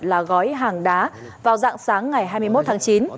là gói hàng đá vào dạng sáng ngày hai mươi một tháng chín